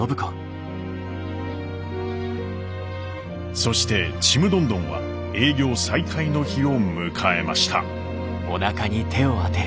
そしてちむどんどんは営業再開の日を迎えました。